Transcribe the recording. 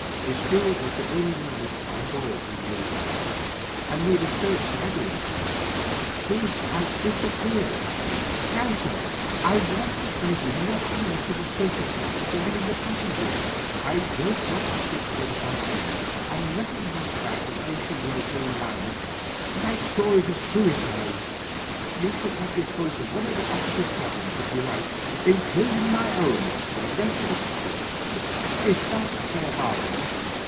The steward was the only man on board who knew him by sight, and he has been searching everywhere for him. He has disap peared I Now, sir, I want to beg you not to mention the circumstance to any of the passengers ; I don't want the ship to get a bad name, and nothing hangs about an ocean goer like stories of suicides. You shall have your choice of any one of the officers' cabins you like, includ ing my own, for the rest of the passage. Is that a fair bargain?"